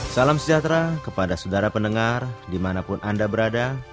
salam sejahtera kepada saudara pendengar dimanapun anda berada